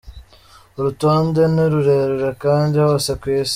Urutonde ni rurerure- kandi hose kw'isi,.